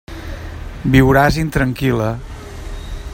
Viuràs intranquil·la.